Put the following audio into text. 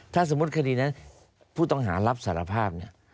ถ้าสมมุติคดีนั้นผู้ต้องหารับสารภาพเนี่ย